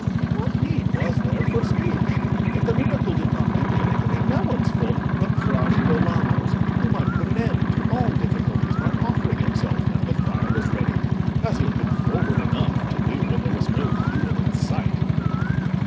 And what need was there for speech? If the miracle did not begin, it could be no one's fault but Fra Girolamo's, who might put an end to all difficulties by offering himself now the fire was ready, as he had been forward enough to do when there was no fuel in sight.